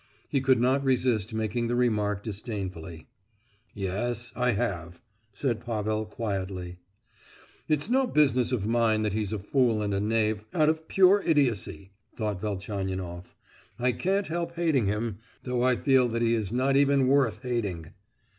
He could not resist making the remark disdainfully. "Yes, I have," said Pavel, quietly. "It's no business of mine that he's a fool and a knave, out of pure idiocy!" thought Velchaninoff. "I can't help hating him, though I feel that he is not even worth hating."